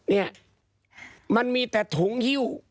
เนี่ยมันมีแต่ถุงฮิ้ว